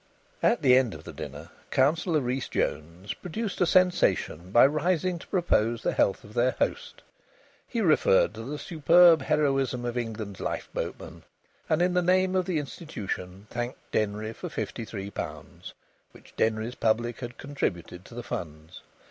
At the end of the dinner Councillor Rhys Jones produced a sensation by rising to propose the health of their host. He referred to the superb heroism of England's lifeboatmen, and in the name of the Institution thanked Denry for the fifty three pounds which Denry's public had contributed to the funds.